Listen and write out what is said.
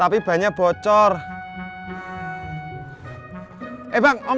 apa yang kamu hebben